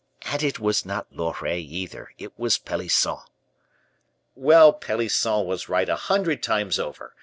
"And it was not Loret either; it was Pelisson." "Well, Pelisson was right a hundred times over.